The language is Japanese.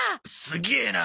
すげえな！